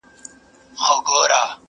تا ښخ کړئ د سړو په خوا کي سپی دی..